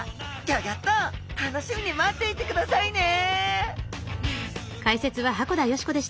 ギョギョッと楽しみに待っていてくださいね！